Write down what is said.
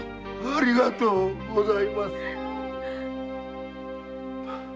ありがとうございます。